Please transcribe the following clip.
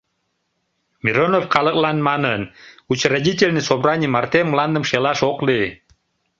Миронов калыклан манын: «Учредительный собраний марте мландым шелаш ок лий».